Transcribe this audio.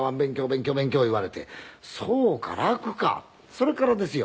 それからですよ。